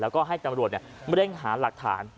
แล้วก็ให้ตำรวจเร่งหาหลักฐาน